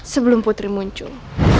sebelum putri muncul